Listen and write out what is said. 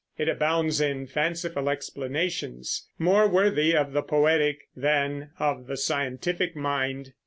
It abounds in fanciful explanations, more worthy of the poetic than of the scientific mind.